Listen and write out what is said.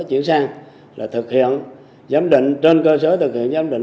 chuyển sang là thực hiện giám định trên cơ sở thực hiện giám định